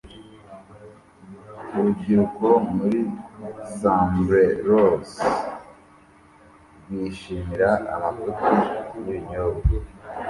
Urubyiruko muri sombreros rwishimira amafuti n'ibinyobwa